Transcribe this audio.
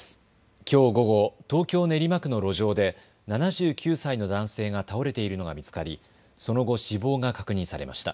きょう午後、東京練馬区の路上で７９歳の男性が倒れているのが見つかり、その後死亡が確認されました。